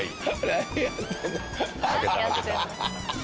何やってるの？